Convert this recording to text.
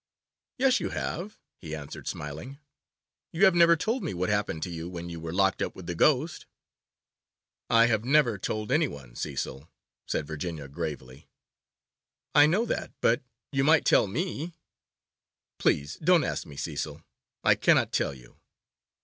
'Yes, you have,' he answered, smiling, 'you have never told me what happened to you when you were locked up with the ghost.' 'I have never told any one, Cecil,' said Virginia gravely. 'I know that, but you might tell me.' 'Please don't ask me, Cecil, I cannot tell you.